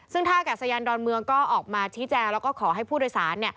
ซึ่งท่ากาศยานดอนเมืองก็ออกมาชี้แจงแล้วก็ขอให้ผู้โดยสาร